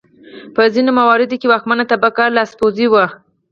په ځینو مواردو کې واکمنه طبقه لاسپوڅي وو.